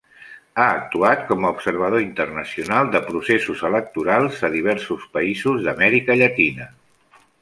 Ha actuat com a observador internacional de processos electorals a diversos països d'Amèrica Llatina.